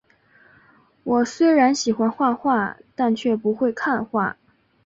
我虽然喜欢画画，但却不会看画